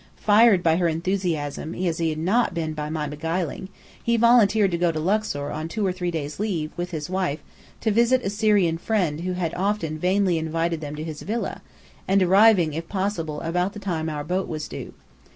Fired by her enthusiasm, as he had not been by my beguiling, he volunteered to go to Luxor on two or three days' leave, with his wife, to visit a Syrian friend who had often vainly invited them to his villa, and arriving if possible about the time our boat was due.